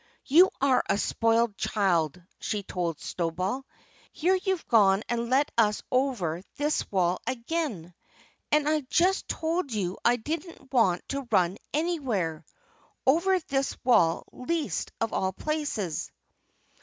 "You're a spoiled child," she told Snowball. "Here you've gone and led us over this wall again! And I just told you I didn't want to run anywhere over this wall least of all places!"